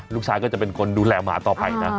ลูกชายก็จะเป็นคนดูแลหมาต่อไปนะ